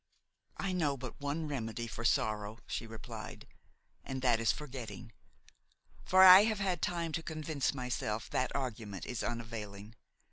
"I know but one remedy for sorrow," she replied, "and that is forgetting; for I have had time to convince myself that argument is unavailing.